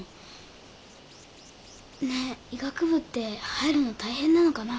ねえ医学部って入るの大変なのかな？